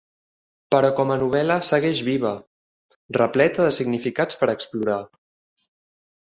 Però com a novel·la segueix viva, repleta de significats per explorar.